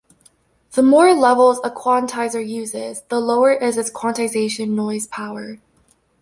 The more levels a quantizer uses, the lower is its quantization noise power.